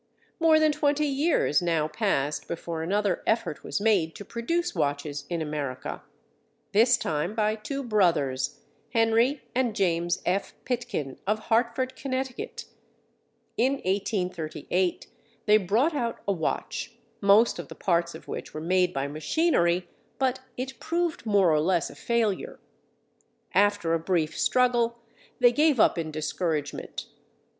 More than twenty years now passed before another effort was made to produce watches in America—this time by two brothers—Henry and James F. Pitkin of Hartford, Connecticut. In 1838, they brought out a watch, most of the parts of which were made by machinery, but it proved more or less a failure. After a brief struggle, they gave up in discouragement.